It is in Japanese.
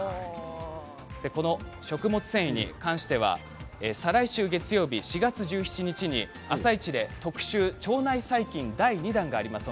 この食物繊維に関しては再来週月曜日４月１７日に「あさイチ」で特集腸内細菌の第２弾があります。